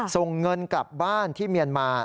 ส่งเงินกลับบ้านที่เมียนมา